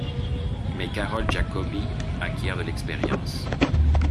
Mais Carole Giacobbi acquiert de l’expérience.